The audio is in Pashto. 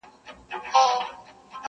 که موچي غریب سي مړ قصاب ژوندی وي؛